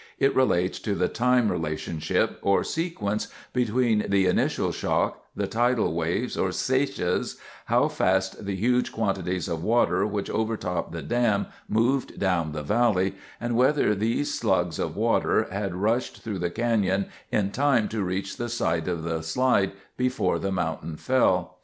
It relates to the time relationship, or sequence between the initial shock, the tidal waves, or seiches, how fast the huge quantities of water which overtopped the dam moved down the valley, and whether these slugs of water had rushed through the canyon in time to reach the site of the slide before the mountain fell.